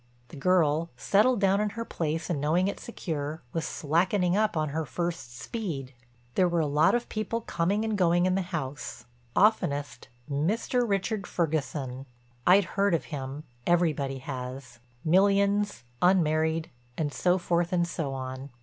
The girl—settled down in her place and knowing it secure—was slackening up on her first speed. There were a lot of people coming and going in the house—oftenest, Mr. Richard Ferguson. I'd heard of him—everybody has—millions, unmarried, and so forth and so on.